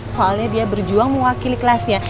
soalnya dia berjuang mewakili kelasnya